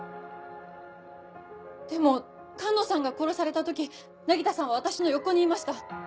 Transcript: でも寒野さんが殺された時凪田さんは私の横にいました。